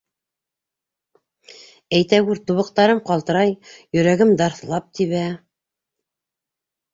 Әйтәгүр, тубыҡтарым ҡалтырай, йөрәгем дарҫлап тибә...